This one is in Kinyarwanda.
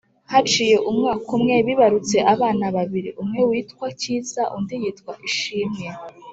haciye umwaka umwe, bibarutse abana babiri; umwe witwa kiza undi yitwa ishimwe